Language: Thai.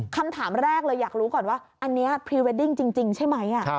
คำถามแรกเลยอยากรู้ก่อนว่าอันนี้พรีเวดดิ้งจริงใช่ไหม